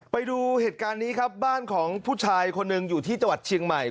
ไปดูเหตุการณ์นี้ครับบ้านของผู้ชายคนหนึ่งอยู่ที่จังหวัดเชียงใหม่